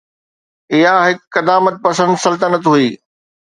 اها هڪ قدامت پسند سلطنت هئي.